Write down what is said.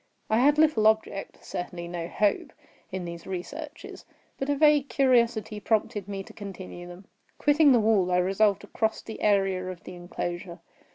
I had little object—certainly no hope—in these researches; but a vague curiosity prompted me to continue them. Quitting the wall, I resolved to cross the area of the enclosure.